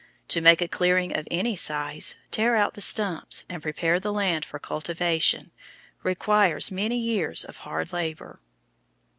To make a clearing of any size, tear out the stumps, and prepare the land for cultivation, requires many years of hard labor.